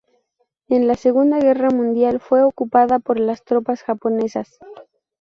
En la Segunda Guerra Mundial fue ocupada por las tropas japonesas.